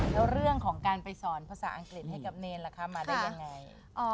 แล้วเรื่องของการไปสอนภาษาอังกฤษให้กับเนรล่ะคะมาได้ยังไง